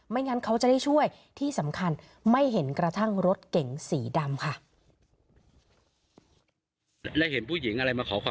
งั้นเขาจะได้ช่วยที่สำคัญไม่เห็นกระทั่งรถเก๋งสีดำค่ะ